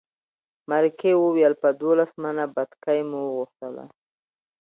مرکې وویل په دولس منه بتکۍ مو وغوښتله.